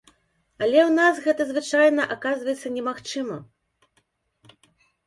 Але ў нас гэта звычайна аказваецца немагчыма.